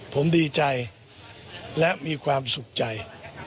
ผมดีใจและมีความสุขใจ